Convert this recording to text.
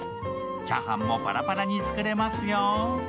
チャーハンもパラパラに作れますよ。